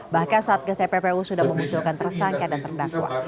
bahkan satgas tppu sudah memunculkan tersangka dan terdakwa